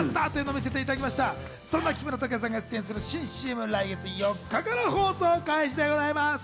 そんな木村拓哉さんが出演する新ＣＭは来月４日から放送開始でございます。